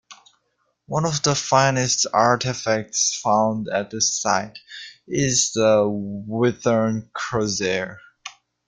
One of the finest artefacts found at the site is the Whithorn crozier.